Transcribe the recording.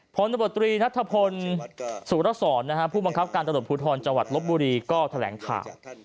พนนัทธพลสุรสอนผู้บังคับการตลอดภูทรจลบบุรีก็แถลงข่าว